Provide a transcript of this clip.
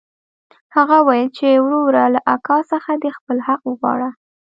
هغه وويل چې وروره له اکا څخه دې خپل حق وغواړه.